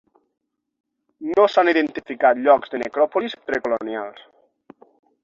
No s'han identificat llocs de necròpolis pre-colonials.